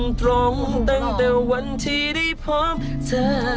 ตรงตั้งแต่วันที่ได้พบเธอ